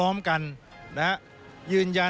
ส่วนต่างกระโบนการ